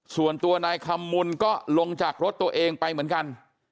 ส่วนตัวนายคำมุนก็ลงจากรถตัวเองไปเหมือนกัน